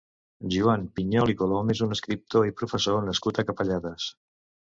Joan Pinyol i Colom és un escriptor i professor nascut a Capellades.